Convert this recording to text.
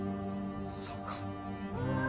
そうか。